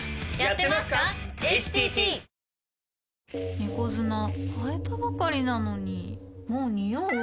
猫砂替えたばかりなのにもうニオう？